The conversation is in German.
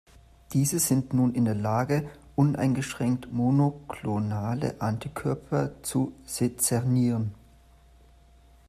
Diese sind nun in der Lage, uneingeschränkt monoklonale Antikörper zu sezernieren.